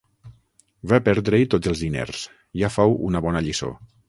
Va perdre-hi tots els diners: ja fou una bona lliçó.